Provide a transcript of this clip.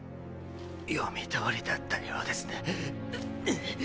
読みどおりだったようですねうっ。